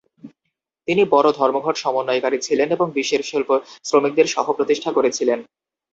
তিনি বড় ধর্মঘট সমন্বয়কারী ছিলেন এবং বিশ্বের শিল্প শ্রমিকদের সহ-প্রতিষ্ঠা করেছিলেন।